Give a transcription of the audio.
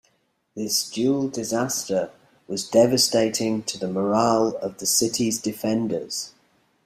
This dual disaster was devastating to the morale of the city's defenders.